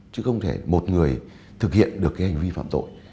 chứ không thể một người thực hiện được cái hành vi phạm tội